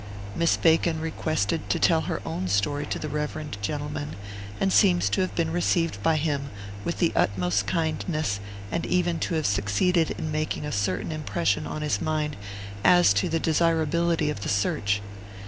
Miss Bacon requested to tell her own story to the reverend gentleman, and seems to have been received by him with the utmost kindness, and even to have succeeded in making a certain impression on his mind as to the desirability of the search.